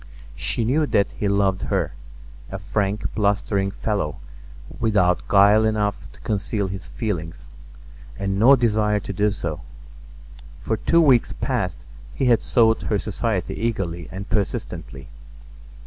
She knew that he loved her—a frank, blustering fellow without guile enough to conceal his feelings, and no desire to do so. For two weeks past he had sought her society eagerly and persistently.